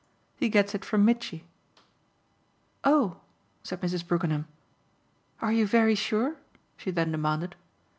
He gets it from Mitchy." "Oh!" said Mrs. Brookenham. "Are you very sure?" she then demanded.